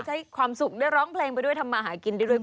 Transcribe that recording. ให้ความสุขได้ร้องเพลงไปด้วยทำมาหากินได้ด้วย